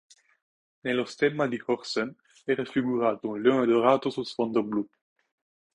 Nello stemma di Horssen è raffigurato un leone dorato su sfondo blu.